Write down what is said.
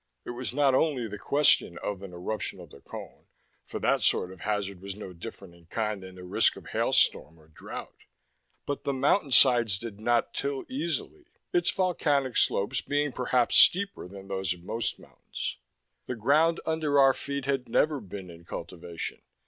It was not only the question of an eruption of the cone, for that sort of hazard was no different in kind than the risk of hailstorm or drought. But the mountain sides did not till easily, its volcanic slopes being perhaps steeper than those of most mountains. The ground under our feet had never been in cultivation.